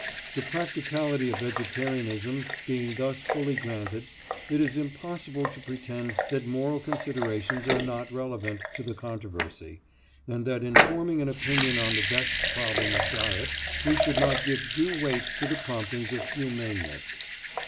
The practicability of vegetarianism being thus fully granted, it is impossible to pretend that moral considerations are not relevant to the controversy, and that in forming an opinion on the vexed problem of diet we should not give due weight to the promptings of humaneness.